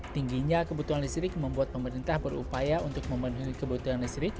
tingginya kebutuhan listrik membuat pemerintah berupaya untuk memenuhi kebutuhan listrik